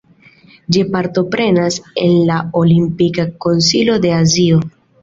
Ĝi partoprenas en la Olimpika Konsilio de Azio.